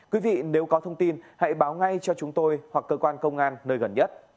quý vị nếu có thông tin hãy báo ngay cho chúng tôi hoặc cơ quan công an nơi gần nhất